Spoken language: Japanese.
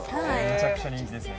めちゃくちゃ人気ですね